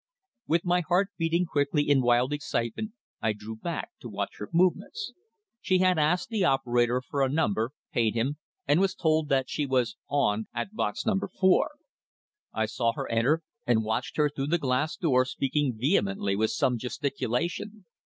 With my heart beating quickly in wild excitement, I drew back to watch her movements. She had asked the operator for a number, paid him, and was told that she was "on" at box No. 4. I saw her enter, and watched her through the glass door speaking vehemently with some gesticulation.